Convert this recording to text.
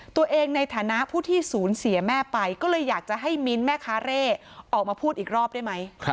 ในฐานะผู้ที่ศูนย์เสียแม่ไปก็เลยอยากจะให้มิ้นท์แม่ค้าเร่ออกมาพูดอีกรอบได้ไหม